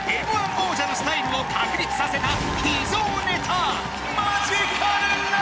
Ｍ−１王者のスタイルを確立させた秘蔵ネタ